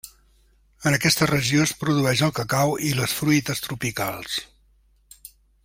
En aquesta regió es produeix el cacau, i les fruites tropicals.